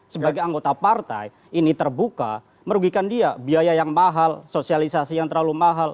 sebagai anggota partai ini terbuka merugikan dia biaya yang mahal sosialisasi yang terlalu mahal